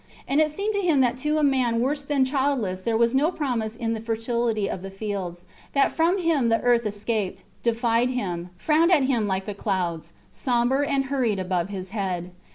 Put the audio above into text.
And it seemed to him that to a man worse than childless there was no promise in the fertility of fields, that from him the earth escaped, defied him, frowned at him like the clouds, sombre and hurried above his head.